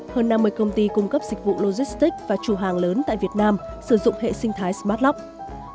hơn năm mươi công ty cung cấp dịch vụ logistics và trù hàng lớn tại việt nam sử dụng hệ sinh thái smartlock